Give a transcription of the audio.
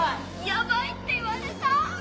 ヤバいって言われた！